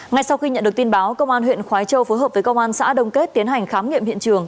ngay sau khi nhận được tin báo công an huyện khói châu phối hợp với công an xã đông kết tiến hành khám nghiệm hiện trường